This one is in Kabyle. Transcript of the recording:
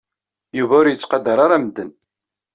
Yuba ur yettqadar ara medden.